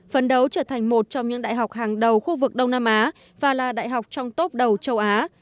phấn đấu trở thành một trong những đại học hàng đầu khu vực đông nam á và là đại học trong tốp đầu châu á